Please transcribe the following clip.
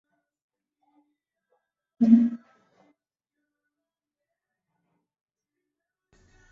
Publicado por Curious Music, fue el primer lanzamiento de Cluster en Estados Unidos.